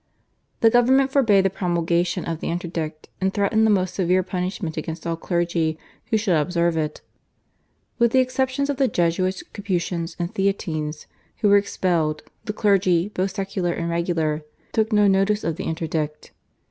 The government forbade the promulgation of the interdict, and threatened the most severe punishment against all clergy who should observe it. With the exception of the Jesuits, Capuchins, and Theatines who were expelled, the clergy both secular and regular took no notice of the interdict.